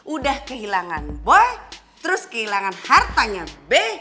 udah kehilangan bo terus kehilangan hartanya b